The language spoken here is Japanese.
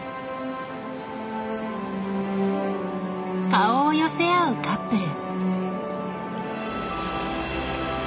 顔を寄せ合うカップル。